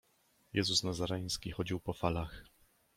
Jezus Nazareński chodził po falach.